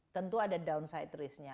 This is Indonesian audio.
tentu ada downside risknya